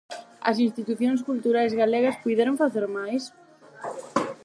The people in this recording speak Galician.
As institucións culturais galegas puideron facer máis?